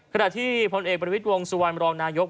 ขณะที่ผลเอกบริวิตวงศ์สู่วัลก์บรองนายก